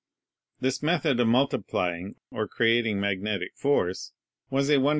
This method of multiplying or creating magnetic force was a wonderful Fig.